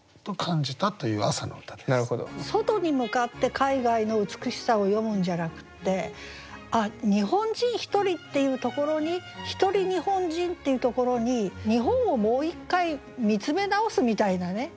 外に向かって海外の美しさを詠むんじゃなくて日本人１人っていうところに「ひとり日本人」っていうところに日本をもう一回見つめ直すみたいなね。